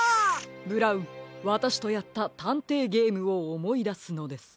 ブラウンわたしとやったたんていゲームをおもいだすのです。